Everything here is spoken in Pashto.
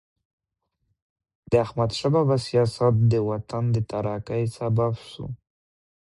د احمدشاه بابا سیاست د وطن د ترقۍ سبب سو.